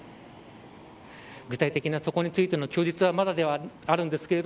具体的なそこについての供述はまだであります。